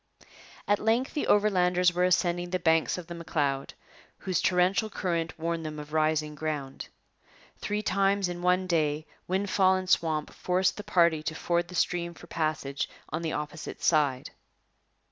At length the Overlanders were ascending the banks of the M'Leod, whose torrential current warned them of rising ground. Three times in one day windfall and swamp forced the party to ford the stream for passage on the opposite side.